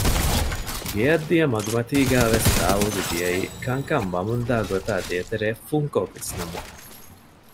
ގެއަށް ދިޔަ މަގުމަތީގައިވެސް ދާއޫދު ދިޔައީ ކަންކަން ވަމުންދާ ގޮތާ ދޭތެރޭ ފުންކޮށް ވިސްނަމުން